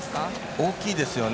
大きいですよね